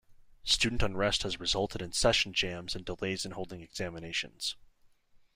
Student unrest has resulted in session jams and delays in holding examinations.